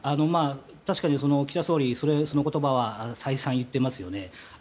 確かに岸田総理その言葉は再三言ってますよね。